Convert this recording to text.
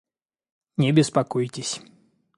Не беспокойтесь!